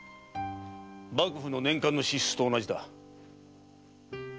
幕府の年間の支出と同じだ。